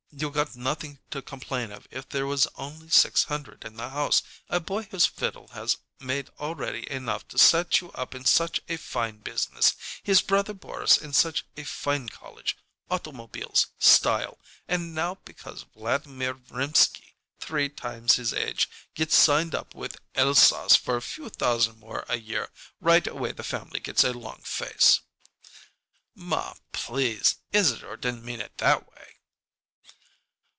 You got nothing to complain of if there was only six hundred in the house. A boy whose fiddle has made already enough to set you up in such a fine business, his brother Boris in such a fine college, automobiles style and now because Vladimir Rimsky, three times his age, gets signed up with Elsass for a few thousand more a year, right away the family gets a long face " "Ma, please! Isadore didn't mean it that way!"